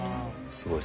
すごい。